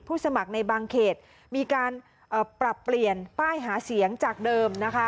สมัครในบางเขตมีการปรับเปลี่ยนป้ายหาเสียงจากเดิมนะคะ